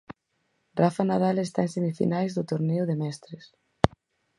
Rafa Nadal está en semifinais do Torneo de Mestres.